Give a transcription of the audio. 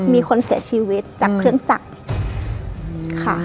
มีคนเสียชีวิตจากเครื่องจักรค่ะ